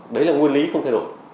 đấy là nguyên lý không thay đổi